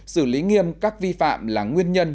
xử lý nghiêm các vi phạm là nguyên nhân